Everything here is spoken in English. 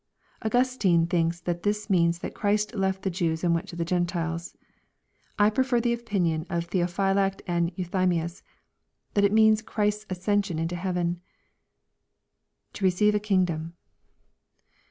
] Augustine thinks this means that Christ left the Jews and went to the G entiles. I prefer the opin ion of Theophylact and Euthymius, that it means Christ's ascen sion into heaven. [To receive a kingdom.